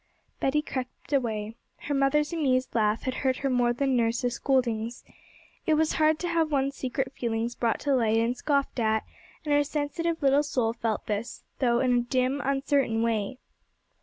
Betty crept away. Her mother's amused laugh had hurt her more than nurse's scoldings. It was hard to have one's secret feelings brought to light and scoffed at, and her sensitive little soul felt this, though in a dim, uncertain way.